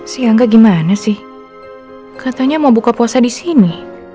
si angga gimana sih katanya mau buka puasa di sini